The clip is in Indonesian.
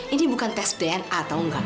ini bukan tes dna tau gak